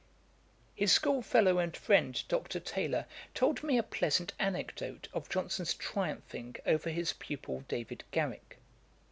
] His schoolfellow and friend, Dr. Taylor, told me a pleasant anecdote of Johnson's triumphing over his pupil David Garrick.